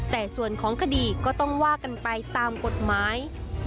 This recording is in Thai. แต่ส่วนของคดีก็ต้องว่ากันไปตามกฎหมาย